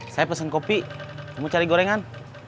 saya pesen kopi kamu cari gorengan